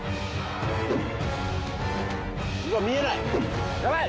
うわっ見えないヤバい！